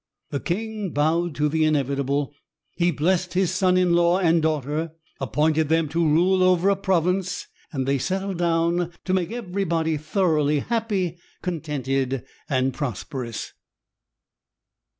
The king bowed to the inevitable. He blessed his son in law and daughter, appointed them to rule over a province, and they settled down to make everybody thoroughly happy, contented and prosperous.